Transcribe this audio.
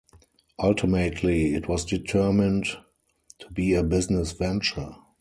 Ultimately, it was determined to be a business venture.